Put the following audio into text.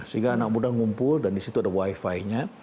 sehingga anak muda ngumpul dan di situ ada wi fi nya